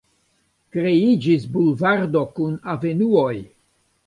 Kreiĝis bulvardo kun avenuoj.